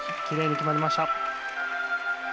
きれいに決まりました。